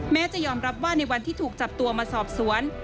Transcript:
จะยอมรับว่าในวันที่ถูกจับตัวมาสอบสวน